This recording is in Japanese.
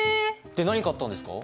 で何買ったんですか？